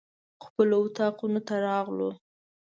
خپلو اطاقونو ته راغلو.